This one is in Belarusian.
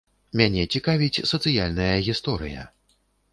Мяне цікавіць сацыяльная гісторыя.